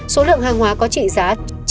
số lượng hàng hóa có trị giá